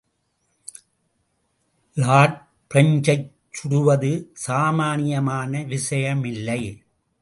Lord பிரெஞ்சைச் சுடுவது சாமானியமான விஷயமில்லை.